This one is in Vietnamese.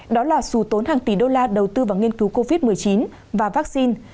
đó là xù tốn hàng tỷ đô la đầu tư vào nghiên cứu covid một mươi chín và vaccine